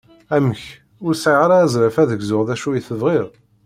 Amek! Ur sɛiɣ ara azref ad gzuɣ d acu tebɣiḍ?